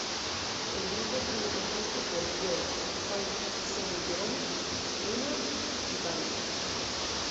El grupo estuvo compuesto por Uee, Han Seung Yeon, Hyuna y Gain.